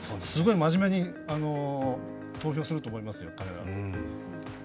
すごい真面目に投票すると思いますよ、彼らは。